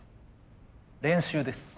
練習です。